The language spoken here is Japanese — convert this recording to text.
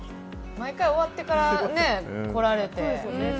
毎回終わってから来られて。